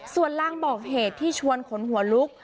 ส่วนลางบอกเหตุที่ชวนขนหัวลุก